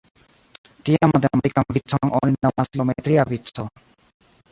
Tian matematikan vicon oni nomas geometria vico.